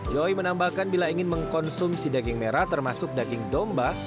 joy menambahkan bila ingin mengkonsumsi daging merah termasuk daging domba